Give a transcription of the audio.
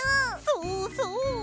そうそう！